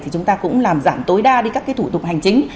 thì chúng ta cũng làm giảm tối đa đi các thủ tục hành chính